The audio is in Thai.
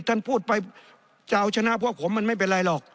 ท่านพูดไปจะเอาชนะพวกผมมันไม่เป็นไรหรอก